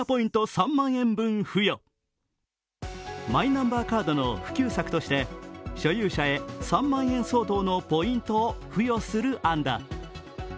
マイナンバーカードの普及策として所有者へ３万円相当のポイントを付与する案だ。